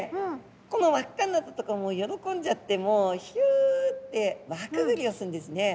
この輪っかになったとこ喜んじゃってもうひゅって輪くぐりをするんですね。